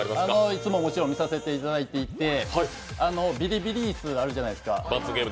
いつももちろん見させていただいていてビリビリ椅子あるじゃないですか。